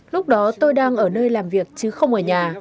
lúc đó tôi đang ở nơi làm việc chứ không ở nhà